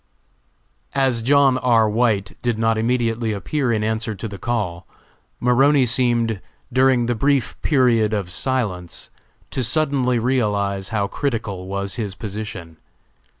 As John R. White did not immediately appear in answer to the call, Maroney seemed, during the brief period of silence, to suddenly realize how critical was his position.